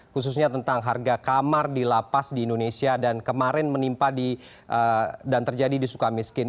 khususnya tentang harga kamar di lapas di indonesia dan kemarin menimpa dan terjadi di sukamiskin